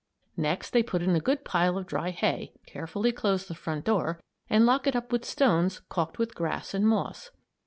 Next they put in a good pile of dry hay, carefully close the front door and lock it up with stones caulked with grass and moss.